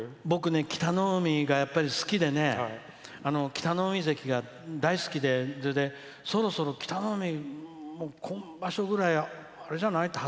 僕ね、北の湖が好きでね北の湖関が大好きでそろそろ北の湖、今場所ぐらいあれじゃない？